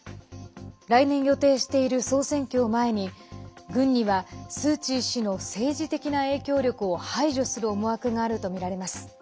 来年予定している総選挙を前に軍にはスー・チー氏の政治的な影響力を排除する思惑があるとみられます。